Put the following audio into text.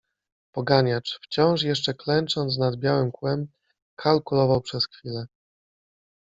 Poganiacz, wciąż jeszcze klęcząc nad Biały Kłem, kalkulował przez chwilę.